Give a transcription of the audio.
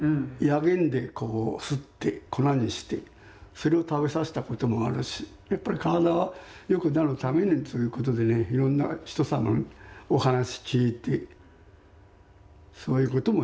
薬研でこうすって粉にしてそれを食べさせたこともあるしやっぱり体良くなるためにそういうことでねいろんな人様のお話聞いてそういうこともやりましたね。